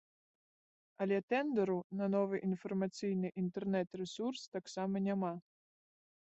Але тэндару на новы інфармацыйны інтэрнэт-рэсурс таксама няма.